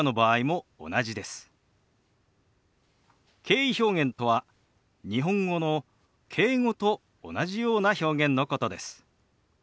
敬意表現とは日本語の「敬語」と同じような表現のことです。